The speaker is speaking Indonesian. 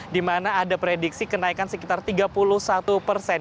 dimana ada prediksi kenaikan sekitar tiga puluh satu persen